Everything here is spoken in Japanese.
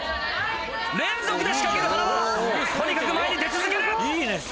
連続で仕掛ける塙とにかく前に出続ける。